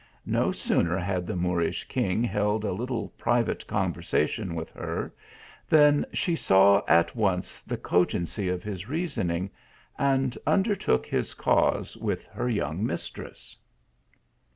No sooner had the Moorish king held a little private conversation with her, than she saw at once the cogency of his reasoning, and undertook his cause with her young mistress.